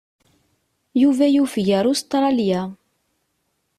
Yuba yufeg ar Ustṛalya.